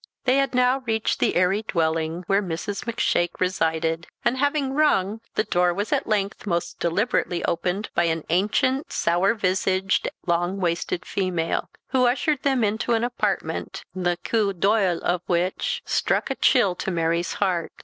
They had now reached the airy dwelling where Mrs. Macshake resided, and having rung, the door was at length most deliberately opened by an ancient, sour visaged, long waisted female, who ushered them into an apartment, the coup d'oeil of which struck a chill to Mary's heart.